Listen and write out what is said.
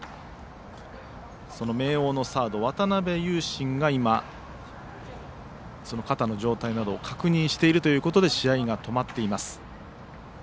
その明桜のサード、渡邊勇伸が今、肩の状態などを確認しているということで試合が止まっています。